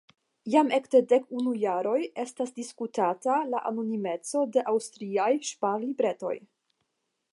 Jam ekde dek unu jaroj estas diskutata la anonimeco de la aŭstriaj ŝparlibretoj.